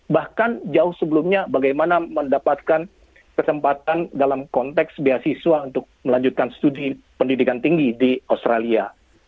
bahkan jauh sebelumnya bagaimana mendapatkan kesempatan dalam konteks beasiswa untuk melanjutkan studi pendidikan tinggi di australia